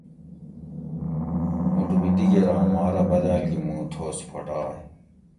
موٹو بی دِگیراں مارہ بدال گی مو تھوس پھوٹائے